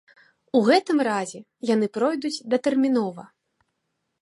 У гэтым разе яны пройдуць датэрмінова.